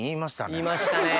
いいましたね。